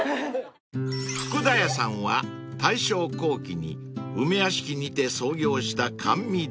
［福田屋さんは大正後期に梅屋敷にて創業した甘味どころ］